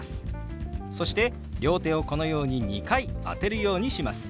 そして両手をこのように２回当てるようにします。